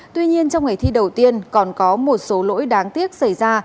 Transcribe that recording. tuy nhiên trong ngày thi đầu tiên còn có một số lỗi đáng tiếc xảy ra